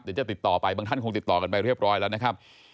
เดี๋ยวจะติดต่อไปบางท่านคงติดต่อกันไปเรียบร้อยแล้วนะครับ